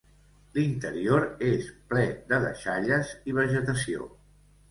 L'interior és ple de deixalles i vegetació.